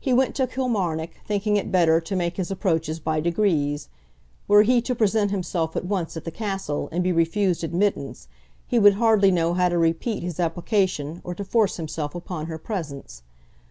He went to Kilmarnock, thinking it better to make his approaches by degrees. Were he to present himself at once at the castle and be refused admittance, he would hardly know how to repeat his application or to force himself upon her presence.